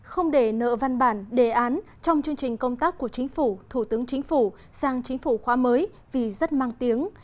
không để nợ văn bản đề án trong chương trình công tác của chính phủ thủ tướng chính phủ sang chính phủ khóa mới vì rất mang tiếng